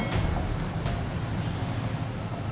makasih ya sayang